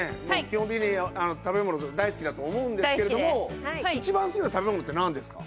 基本的に食べ物大好きだと思うんですけれども一番好きな食べ物ってなんですか？